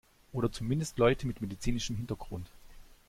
Oder zumindest Leute mit medizinischem Hintergrund.